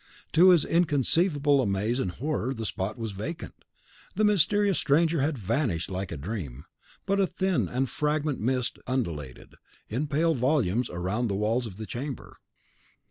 To his inconceivable amaze and horror, the spot was vacant. The mysterious stranger had vanished like a dream; but a thin and fragrant mist undulated, in pale volumes, round the walls of the chamber.